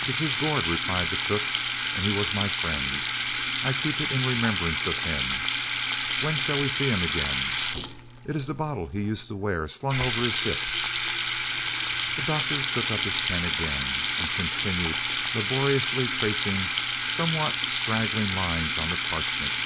"It is his gourd," replied the cook; "and he was my friend. I keep it in remembrance of him. When shall we see him again? It is the bottle he used to wear slung over his hip." The doctor took up his pen again, and continued laboriously tracing somewhat straggling lines on the parchment.